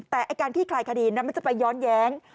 แต่การขี้คลายคดีนั้นมันจะไปย้อนแย้ง